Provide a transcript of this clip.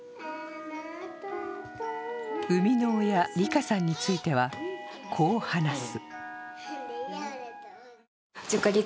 生みの親・りかさんについては、こう話す。